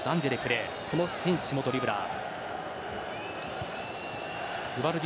この選手もドリブラー。